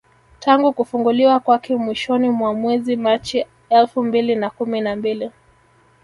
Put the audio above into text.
Tangu kufunguliwa kwake mwishoni mwa mwezi Machi elfu mbili na kumi na mbili